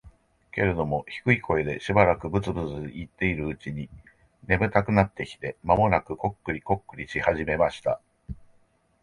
けれども、低い声でしばらくブツブツ言っているうちに、眠たくなってきて、間もなくコックリコックリし始めました。